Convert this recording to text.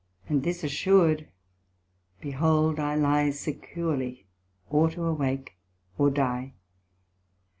And this assur'd, behold I lie Securely, or to awake or die.